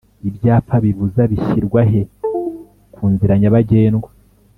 Ibyapa bibuza bishyirwahe kunzira nyabagendwa